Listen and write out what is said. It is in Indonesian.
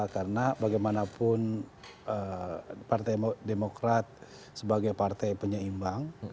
karena bagaimanapun partai demokrat sebagai partai penyeimbang